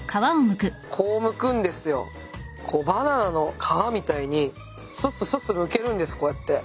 こうバナナの皮みたいにすっすすっすむけるんですこうやって。